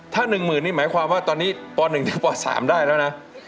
ถ้าหนึ่งหมื่นนี่หมายความว่าตอนนี้ป๑ถึงป๓ได้แล้วนะ